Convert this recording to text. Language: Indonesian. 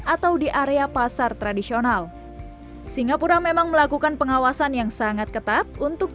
atau di area pasar tradisional singapura memang melakukan pengawasan yang sangat ketat untuk